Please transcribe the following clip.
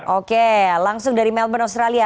oke langsung dari melbourne australia